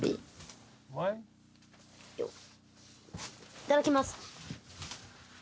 いただきます。